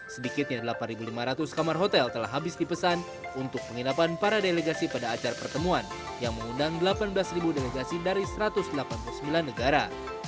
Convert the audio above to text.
sedikitnya delapan lima ratus kamar hotel telah habis dipesan untuk penginapan para delegasi pada acara pertemuan yang mengundang delapan belas delegasi dari satu ratus delapan puluh sembilan negara